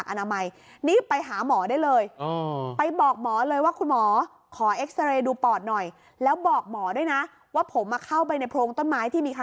คุณหมอบอกด้วยนะว่าใครที่